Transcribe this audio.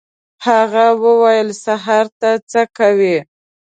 هغه وویل: «سهار ته څه کوې؟»